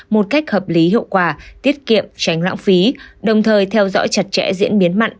một cách hợp lý hiệu quả tiết kiệm tránh lãng phí đồng thời theo dõi chặt chẽ diễn biến mặn